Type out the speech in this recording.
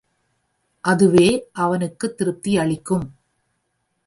அதுவே அவனுக்குத் திருப்தி யளிக்கும்.